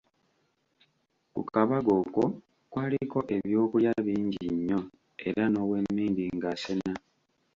Ku kabaga okwo kwaliko eby'okulya bingi nnyo era n'owemmindi ng'asena.